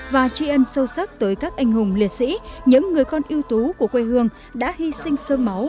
và tri ân sâu sắc tới các anh hùng liệt sĩ những người con ưu tú của quê hương đã hy sinh sơn máu